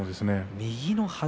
右のはず